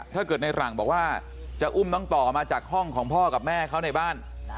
ถ้าเกิดในหลังบอกว่าจะอุ้มน้องต่อมาจากห้องของพ่อกับแม่เขาในบ้าน